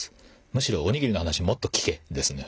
「むしろおにぎりの話もっと聞け！」ですね。